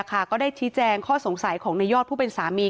ก็ได้ชี้แจงข้อสงสัยของนายยอดผู้เป็นสามี